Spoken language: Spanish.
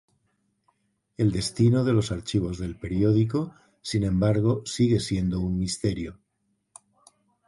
El destino de los archivos del periódico, sin embargo, sigue siendo un misterio.